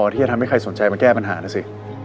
ที่จะทำให้ใครสนใจมาแก้ปัญหานะสิ